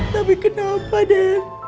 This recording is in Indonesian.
tapi kenapa den